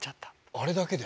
あれだけで。